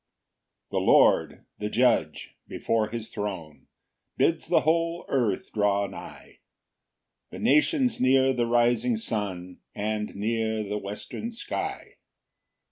1 The Lord, the Judge, before his throne, Bids the whole earth draw nigh, The nations near the rising sun, And near the western sky.